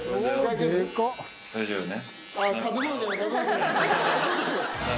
大丈夫ね。